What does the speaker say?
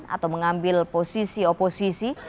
atau mengambil posisi oposisi